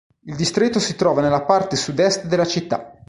Il distretto si trova nella parte sud-est della città.